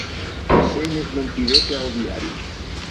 Ser més mentider que el diari.